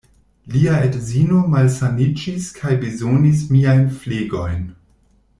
Lia edzino malsaniĝis kaj bezonis miajn flegojn.